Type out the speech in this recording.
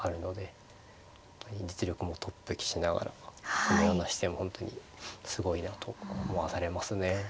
本当に実力もトップ棋士ながらこのような姿勢も本当にすごいなと思わされますね。